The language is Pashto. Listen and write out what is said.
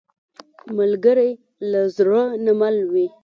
ملګری له زړه نه مل وي